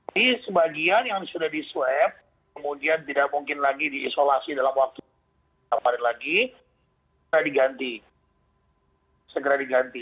jadi sebagian yang sudah di swab kemudian tidak mungkin lagi diisolasi dalam waktu kemarin lagi segera diganti